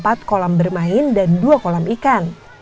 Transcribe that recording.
ada dua kolam bermain dan dua kolam ikan